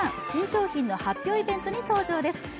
新商品の発表イベントに登場です。